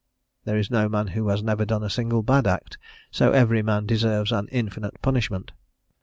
There is no man who has never done a single bad act, so every man deserves an infinite punishment.